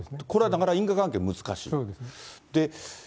これはだから因果関係難しい。